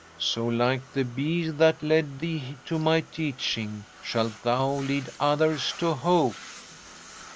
So, like the bee that led thee to my teaching, shalt thou lead others to hope."